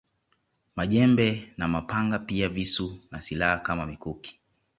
Majembe na mapanga pia visu na silaha kama mikuki